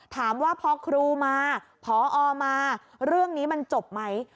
ถามว่าพอครูมาพอมาเรื่องนี้มันจบไหม